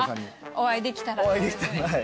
お会いできたら。